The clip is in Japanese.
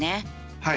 はい。